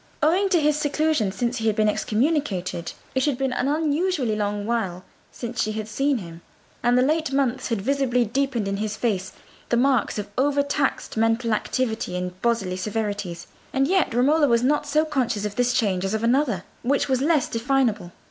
Owing to his seclusion since he had been excommunicated, it had been an unusually long while since she had seen him, and the late months had visibly deepened in his face the marks of over taxed mental activity and bodily severities; and yet Romola was not so conscious of this change as of another, which was less definable.